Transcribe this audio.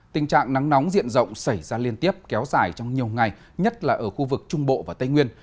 tình trạng nắng nóng diện rộng xảy ra liên tiếp kéo dài trong nhiều ngày nhất là ở khu vực trung bộ và tây nguyên